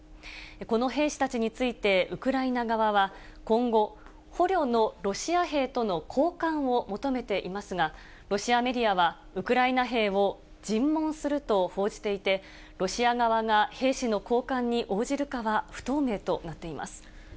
この兵士たちについて、ウクライナ側は、今後、捕虜のロシア兵との交換を求めていますが、ロシアメディアは、ウクライナ兵を尋問すると報じていて、ロシア側が兵士の交換に応じるかは不透明となっています。